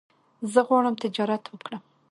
زه غواړم تجارت وکړم